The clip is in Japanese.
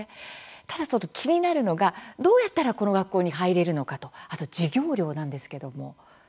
ただ、気になるのがどうやったらこの学校に入れるのかとあと、授業料なんですけども。